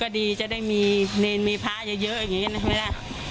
นี่เดี๋ยวจะได้เบียบให้มีเนรนมีพระเยอะเห็นไหมแหละ